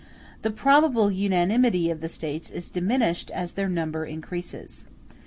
The probable unanimity of the States is diminished as their number increases.